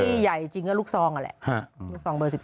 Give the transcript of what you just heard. ใหญ่จริงก็ลูกซองนั่นแหละลูกซองเบอร์๑๒